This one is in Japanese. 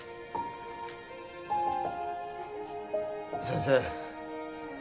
先生